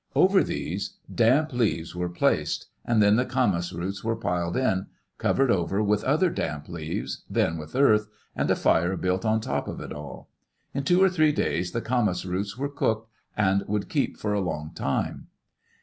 Over diese, damp leaves were placed, and then the camas roots were piled in, covered over with other damp leaves, then with eardi, and a fire built on top of it alL In two or three days the camas roots were cooked, and would keep for a long time.